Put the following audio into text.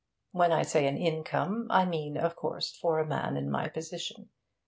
When I say an income, I mean, of course, for a man in my position.